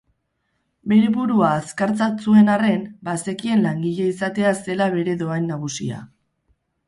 Bere burua azkartzat zuen arren, bazekien langile izatea zela bere dohain nagusia.